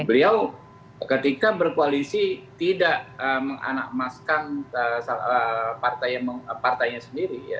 beliau ketika berkoalisi tidak menganakmaskan partainya sendiri